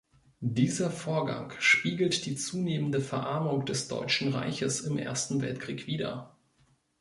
Dieser Vorgang spiegelt die zunehmende Verarmung des Deutschen Reiches im Ersten Weltkrieg wider.